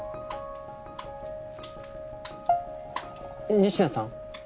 仁科さん。